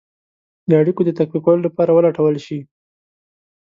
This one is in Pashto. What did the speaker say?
د اړېکو د تقویه کولو لپاره ولټول شي.